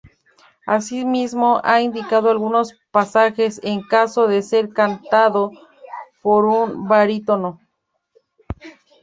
Asimismo ha indicado algunos pasajes en caso de ser cantado por un barítono.